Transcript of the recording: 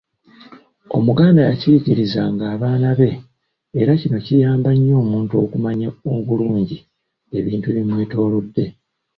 Omuganda yakiyigirizanga abaana be era kino kiyamba nnyo omuntu okumanya obulungi ebintu ebimwetoloodde.